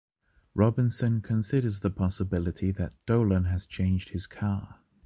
Robinson considers the possibility that Dolan had changed his car.